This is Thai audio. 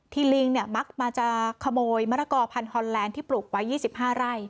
ที่ลิงเนี่ยมักมาจะขโมยมะระกอภัณฑ์ฮอนแลนด์ที่ปลูกไว้ยี่สิบห้าไร่